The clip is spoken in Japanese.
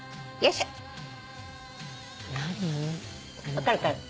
分かるかな？